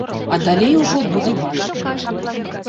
А далей ужо будзе бачна.